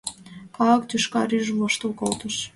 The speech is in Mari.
Калык тӱшка рӱж-ж воштыл колтыш.